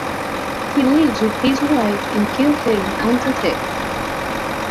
He lives with his wife in Kirchheim unter Teck.